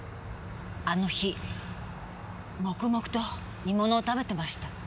あの日黙々と煮物を食べてました。